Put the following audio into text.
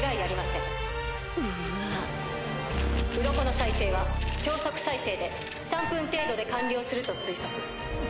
鱗の再生は超速再生で３分程度で完了すると推測。